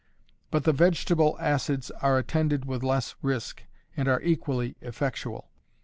But the vegetable acids are attended with less risk, and are equally effectual.